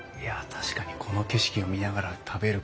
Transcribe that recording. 確かにこの景色を見ながら食べる